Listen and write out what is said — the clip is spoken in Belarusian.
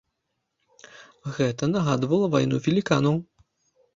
Гэта нагадвала вайну веліканаў.